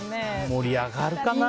盛り上がるかな？